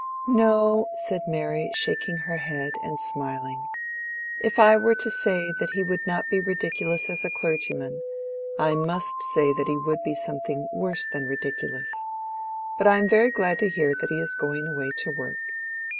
"No," said Mary, shaking her head, and smiling. "If I were to say that he would not be ridiculous as a clergyman, I must say that he would be something worse than ridiculous. But I am very glad to hear that he is going away to work."